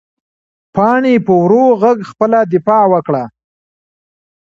پاڼې په ورو غږ خپله دفاع وکړه.